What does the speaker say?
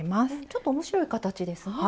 ちょっと面白い形ですね。